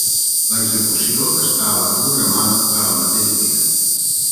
L'execució estava programada per al mateix dia.